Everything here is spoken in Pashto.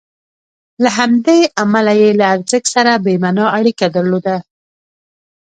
له همدې امله یې له ارزښت سره بې معنا اړیکه درلوده.